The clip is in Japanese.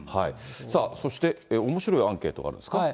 そして、おもしろいアンケートがあるんですか。